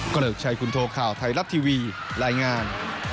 ก็ได้ช่วยคุณโทษข่าวไทยลับทีวีลายงาน